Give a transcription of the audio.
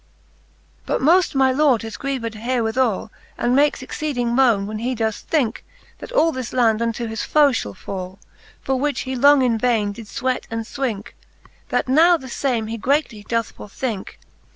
XXXII. But moft my lord is grieved herewithall, And makes exceeding mone, when he does thinke, That all this land unto his foe Ihall fall, For which he long in vaine did fweat and fwinke. That now the fame he greatly doth forthinke.